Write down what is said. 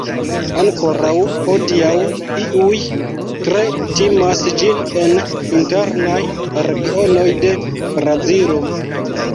Ankoraŭ hodiaŭ, iuj tre timas ĝin en internaj regionoj de Brazilo.